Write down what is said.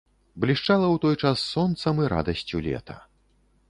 Блішчала ў той час сонцам і радасцю лета.